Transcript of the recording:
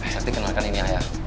sakti kenalkan ini ayah